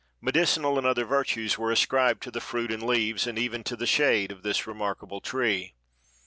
Medicinal and other virtues were ascribed to the fruit and leaves and even to the shade of this remarkable tree.